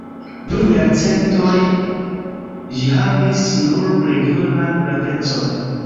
Dum jarcentoj ĝi havis nur regionan gravecon.